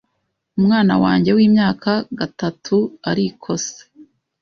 Umwana wanjye wimyaka gatatu arikose.